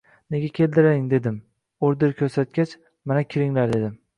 nega keldilaring dedim, order ko‘rsatgach, mana, kiringlar, dedim.